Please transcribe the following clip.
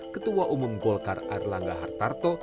ketua umum golkar erlangga hartarto